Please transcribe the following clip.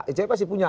icp pasti punya